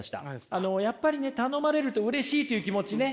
あのやっぱりね頼まれるとうれしいという気持ちね